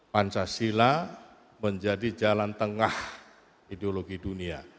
pancasila menjadi jalan tengah ideologi dunia